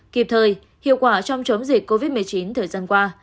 kịp thời hiệu quả trong chống dịch covid một mươi chín thời gian qua